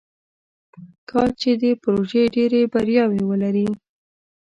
کاش چې دې پروژې ډیرې بریاوې ولري.